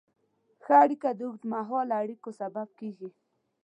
ښه اړیکه د اوږدمهاله اړیکو سبب کېږي.